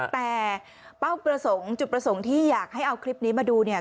แต่เป้าประสงค์จุดประสงค์ที่อยากให้เอาคลิปนี้มาดูเนี่ย